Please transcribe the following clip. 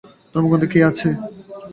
ধর্মগ্রন্থে কি আছে?